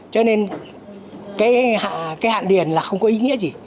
cho nên cái hạn điền là không có ý nghĩa gì